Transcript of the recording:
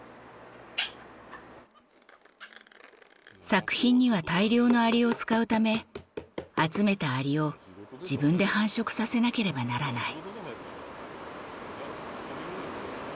作品には大量の蟻を使うため集めた蟻を自分で繁殖させなければならない。